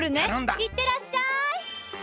いってらっしゃい！